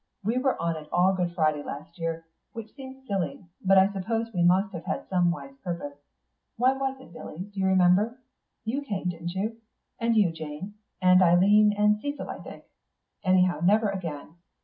We were on it all Good Friday last year, which seems silly, but I suppose we must have had some wise purpose. Why was it, Billy? Do you remember? You came, didn't you? And you, Jane. And Eileen and Cecil, I think. Anyhow never again.